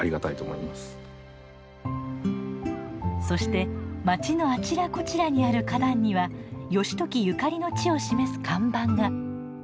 そして町のあちらこちらにある花壇には義時ゆかりの地を示す看板が。